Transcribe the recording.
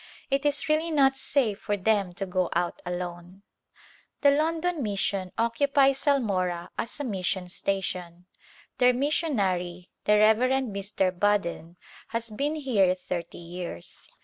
It is really not safe for them to go out alone. The London Mission occupies Almora as a mis A Glimpse of India sion station. Their missionary, the Rev. Mr. Budden, has been here thirty years.